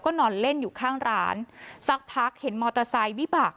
นอนเล่นอยู่ข้างร้านสักพักเห็นมอเตอร์ไซค์วิบัก